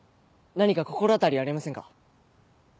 何か心当たりありませんか？